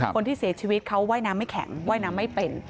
คนที่เสียชีวิตเขาว่ายน้ำไม่แข็งว่ายน้ำไม่เป็น